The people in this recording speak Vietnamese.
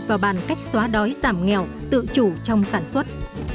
và bàn cách xóa đói giảm nghèo tự chủ trong sản xuất